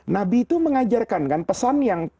nabi itu mengajarkan kan pesan yang